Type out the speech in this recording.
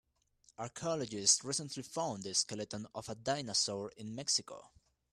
Archaeologists recently found the skeleton of a dinosaur in Mexico.